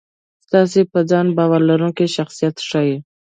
ستاسې په ځان باور لرونکی شخصیت ښي.